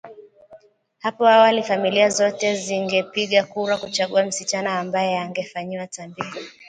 " Hapo awali, familia zote zingepiga kura kuchagua msichana ambaye angefanyiwa tambiko